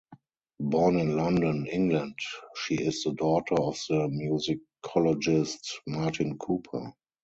Born in London, England, she is the daughter of the musicologist Martin Cooper.